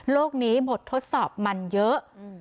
โลกนี้หมดทดสอบมันเยอะ